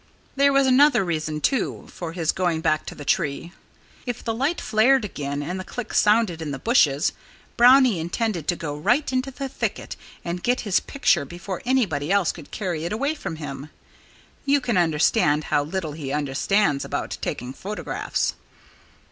There was another reason, too, for his going back to the tree. If the light flared again and the click sounded in the bushes, Brownie intended to go right into the thicket and get his picture before anybody else could carry it away with him. (You can understand how little he understood about taking photographs.)